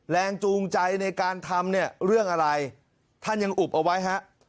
แรงจูงใจในการทำเนี่ยเรื่องอะไรท่านยังอุบเอาไว้ฮะ